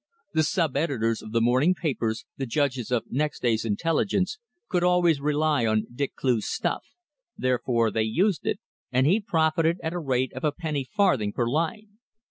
The sub editors of the morning papers, the judges of next day's intelligence, could always rely on Dick Cleugh's "stuff," therefore they used it, and he profited at the rate of a penny farthing per line.